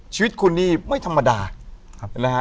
ชีวิตคุณนี่ไม่ธรรมดานะฮะ